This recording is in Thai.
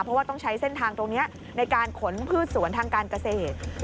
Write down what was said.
เพราะว่าต้องใช้เส้นทางตรงนี้ในการขนพืชสวนทางการเกษตร